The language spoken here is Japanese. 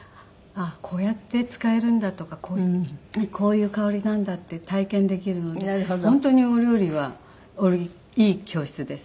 こうやって使えるんだとかこういう香りなんだって体験できるので本当にお料理はいい教室です。